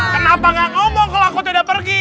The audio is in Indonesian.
kenapa gak ngomong kalau aku tidak pergi